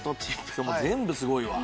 全部すごいわ！